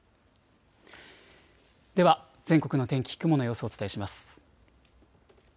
では全国の天気、雲の様子をお伝えします。